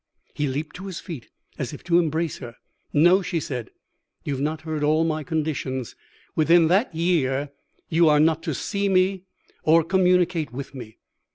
"He leapt to his feet, as if to embrace her. "'No,' she said; 'you have not heard all my conditions. Within that year you are not to see me or communicate with me.'